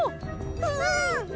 うん！